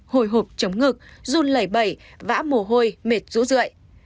hồi hộp chống ngực run lẩy bẩy vã mồ hôi mệt rũ rượi